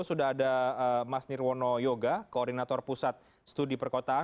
sudah ada mas nirwono yoga koordinator pusat studi perkotaan